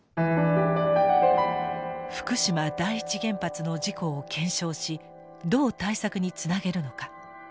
福島第一原発の事故を検証しどう対策につなげるのか。